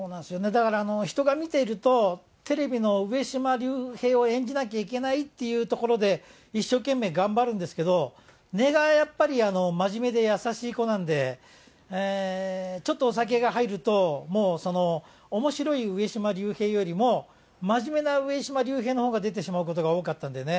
だから、人が見ているとテレビの上島竜兵を演じなきゃいけないっていうところで、一生懸命頑張るんですけど、根がやっぱり真面目で優しい子なんで、ちょっとお酒が入ると、もうおもしろい上島竜兵よりも、真面目な上島竜兵のほうが出てしまうことが多かったんでね。